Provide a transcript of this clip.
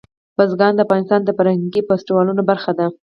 بزګان د افغانستان د فرهنګي فستیوالونو برخه ده.